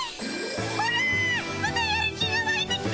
オラまたやる気がわいてきたっピ。